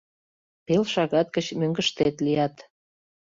Пел шагат гыч мӧҥгыштет лият.